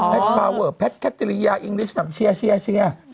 แพทพาเวอร์แพทแคทเตอรียาอิงกฤษนำเชียร์เชียร์เชียร์